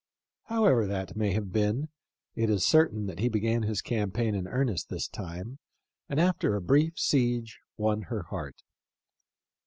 However that may have been, it is certain that he began his campaign in earnest this time, and after a brief siege won her heart.